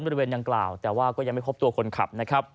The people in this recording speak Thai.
บริเวณดังกล่าวแต่ว่าก็ยังไม่พบตัวคนขับนะครับ